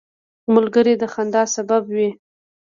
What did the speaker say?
ملګری د خندا سبب وي